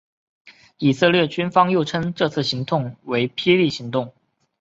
以色列军方又称这次行动为霹雳行动。